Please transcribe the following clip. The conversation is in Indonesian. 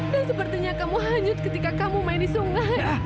dan sepertinya kamu hanyut ketika kamu main di sungai